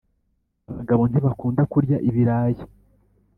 Abagabo ntibakunda kurya ibirayi